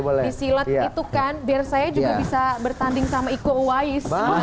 bisa disilat itu kan biar saya juga bisa bertanding sama iqbal wais